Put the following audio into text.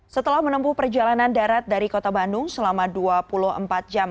setelah menempuh perjalanan darat dari kota bandung selama dua puluh empat jam